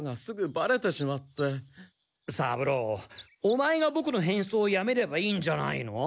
三郎オマエがボクの変装をやめればいいんじゃないの？